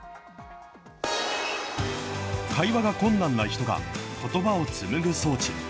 会話が困難な人が、ことばを紡ぐ装置。